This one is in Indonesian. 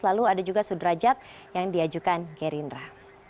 lalu ada juga sudrajat yang diajukan gerindra